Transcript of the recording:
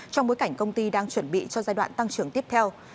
trong bối cảnh công ty đang chuẩn bị cho giai đoạn tăng trưởng tiếp theo